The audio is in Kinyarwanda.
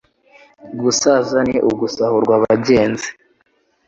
Gusaza ni ugusahurwa bagenzi